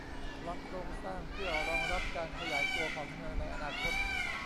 วางโครงสร้างเพื่อรองรับการขยายตัวของเมืองในอนาคต